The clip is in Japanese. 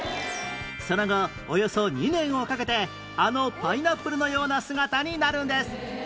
その後およそ２年をかけてあのパイナップルのような姿になるんです